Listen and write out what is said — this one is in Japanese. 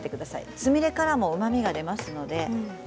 つみれからもうまみが出ていますので。